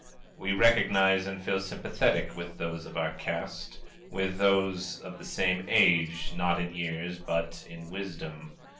We recognize and feel sympathetic with those of our caste with those of the same age, not in years, but in wisdom.